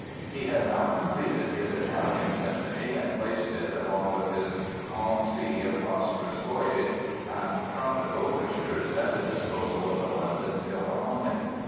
He had now completed his "Italian" Symphony and placed it, along with his "Calm Sea and Prosperous Voyage" and "Trumpet" Overtures at the disposal of the London Philharmonic.